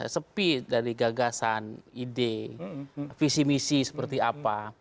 sepi dari gagasan ide visi misi seperti apa